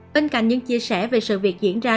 bên cạnh những chia sẻ về sự việc diễn ra